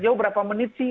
jauh berapa menit sih